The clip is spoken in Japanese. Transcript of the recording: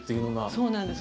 そうなんです。